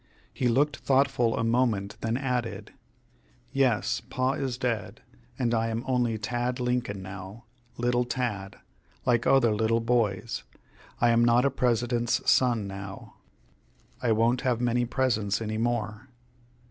He looked thoughtful a moment, then added, "Yes, Pa is dead, and I am only Tad Lincoln now, little Tad, like other little boys. I am not a President's son now. I won't have many presents any more.